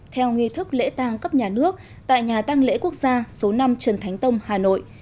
theo nghi thức lễ tang cấp nhà nước tại nhà tăng lễ quốc gia số năm trần thánh tông hà nội